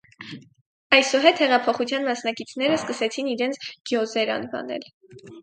Այսուհետ հեղափոխության մասնակիցները սկսեցին իրենց գյոզեր անվանել։